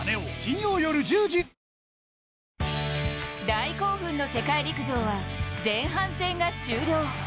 大興奮の世界陸上は前半戦が終了。